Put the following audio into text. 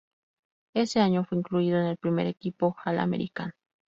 Ese año fue incluido en el primer equipo All-American.